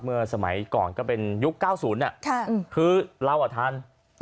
สมัยก่อนก็เป็นยุค๙๐คือเราอ่ะทัน